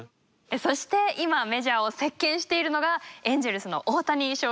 そして今メジャーを席巻しているのがエンジェルスの大谷翔平選手ですよね。